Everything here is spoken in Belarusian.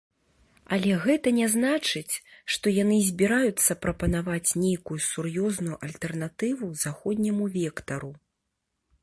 Але гэта не значыць, што яны збіраюцца прапанаваць нейкую сур'ёзную альтэрнатыву заходняму вектару.